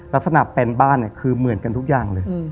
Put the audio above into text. ลักษณะแปนบ้านเนี่ยคือเหมือนกันทุกอย่างเลย